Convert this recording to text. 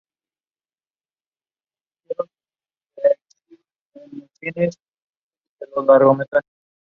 Se encuentra al noroeste del estado, a poca distancia al sur del lago Erie.